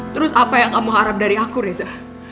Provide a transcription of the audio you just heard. terus apa yang kamu harap dari aku reza